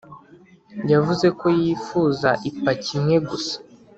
yavuze ko yifuza ipaki imwe gusa